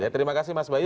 terima kasih mas bayu